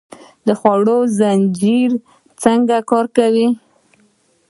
د خوړو زنځیر څنګه کار کوي؟